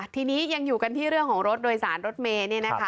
ทีนี้ยังอยู่กันที่เรื่องของรถโดยสารรถเมย์เนี่ยนะคะ